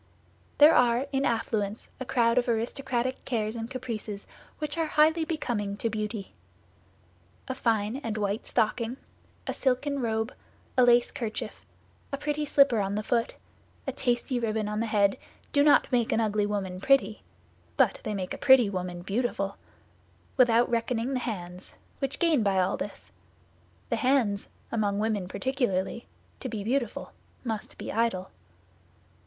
There are in affluence a crowd of aristocratic cares and caprices which are highly becoming to beauty. A fine and white stocking, a silken robe, a lace kerchief, a pretty slipper on the foot, a tasty ribbon on the head do not make an ugly woman pretty, but they make a pretty woman beautiful, without reckoning the hands, which gain by all this; the hands, among women particularly, to be beautiful must be idle.